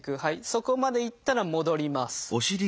そこまで行ったら戻ります。